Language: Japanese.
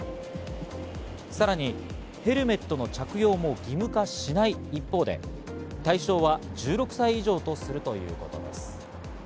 さらにヘルメットの着用も義務化しない一方で、対象は１６歳以上とするということです。